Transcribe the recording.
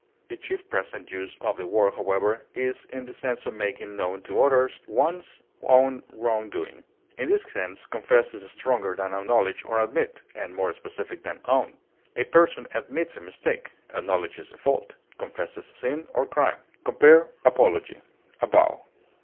The chief present use of the word, however, is in the sense of making known to others one's own wrong doing; in this sense confess is stronger than acknowledge or admit, and more specific than own; a person admits a mistake; acknowledges a fault; confesses sin or crime. Compare APOLOGY; AVOW.